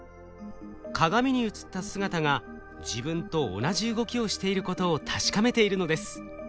鏡に映った姿が自分と同じ動きをしていることを確かめているのです。